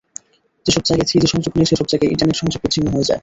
যেসব জায়গায় থ্রিজি সংযোগ নেই, সেসব জায়গায় ইন্টারনেট সংযোগ বিচ্ছিন্ন হয়ে যায়।